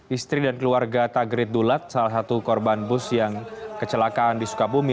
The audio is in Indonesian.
istri dan keluarga tagrid dulat salah satu korban bus yang kecelakaan di sukabumi